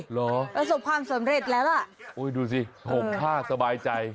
ประสบความสำเร็จแล้วอ่ะโอ้ยดูสิห่มผ้าสบายใจ